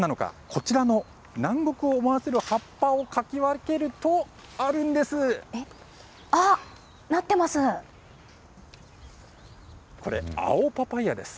こちらの南国を思わせる葉っぱをかき分けると、あるんです。